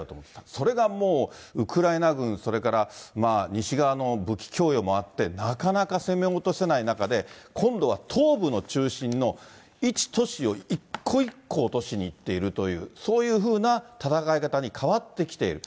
それがもうウクライナ軍、それから西側の武器供与もあって、なかなか攻め落とせない中で、今度は東部の中心の一都市を一個一個落としにいっているという、そういうふうな戦い方に変わってきている。